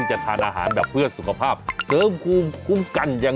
ใช้เมียได้ตลอด